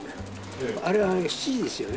あれは７時ですよね？